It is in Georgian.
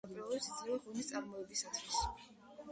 ხელსაყრელ პირობებს იძლევა ღვინის წარმოებისათვის.